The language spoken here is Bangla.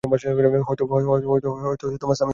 হয়তো সামি জানে।